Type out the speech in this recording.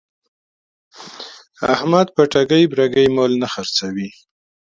احمد په ټګۍ برگۍ مال نه خرڅوي.